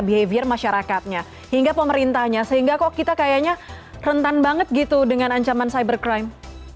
behavior masyarakatnya hingga pemerintahnya sehingga kok kita kayaknya rentan banget gitu dengan ancaman cybercrime